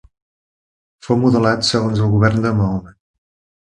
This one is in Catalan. Fou modelat segons el govern de Mahoma.